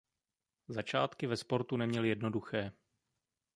Začátky ve sportu neměl jednoduché.